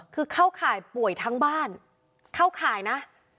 คือเข้าข่ายป่วยทั้งบ้านเข้าข่ายนะ